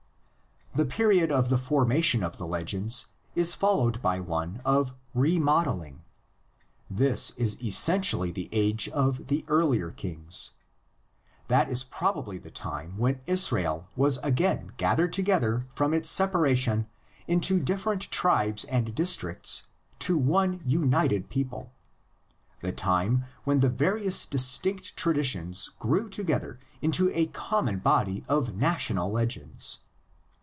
The period of the formation of the legends is fol lowed by one of re modeling. This is essentially the age of the earlier kings. That is probably the time when Israel was again gathered together from its separation into different tribes and districts to one united people, the time when the various dis tinct traditions grew together into a common body 138 THE LEGENDS OF GENESIS. of national legends.